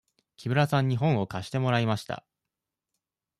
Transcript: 木村さんに本を貸してもらいました。